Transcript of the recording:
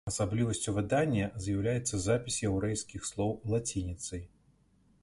Асаблівасцю выдання з'яўляецца запіс яўрэйскіх слоў лацініцай.